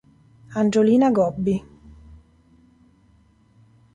Angiolina Gobbi